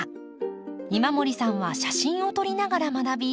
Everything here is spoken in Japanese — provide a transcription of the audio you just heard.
今森さんは写真を撮りながら学び